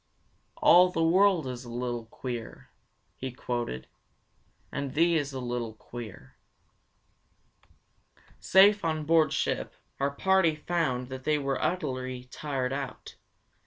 'All the world is a little queer,' he quoted, 'and thee is a little queer.'" Safe on board ship, our party found that they were utterly tired out.